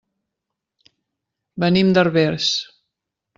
Venim de Herbers.